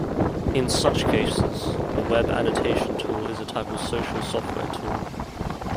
In such cases, the web annotation tool is a type of social software tool.